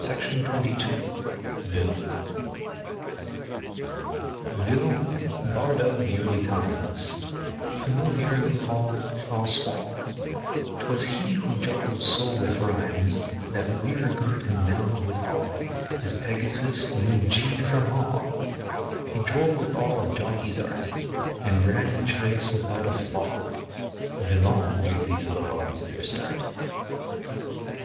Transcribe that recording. VILLON Villon bard of the early times, Familiarly called Francois 'Twas he who juggled so with rhymes That we regard him now with awe; His Pegasus knew "Gee" from "Haw". He drove with all a jockey's art And ran each race without a flaw Villon gave these ballades their start.